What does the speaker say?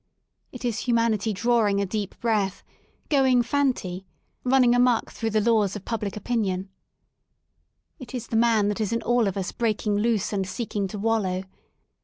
It is humanity drawing a deep breath, going fanti," running amuck through the laws of public opinion. It is the man that is in all of us breaking loose and seeking to wallow.